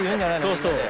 みんなで。